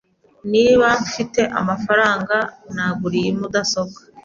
Niba mfite amafaranga, nagura iyi mudasobwa.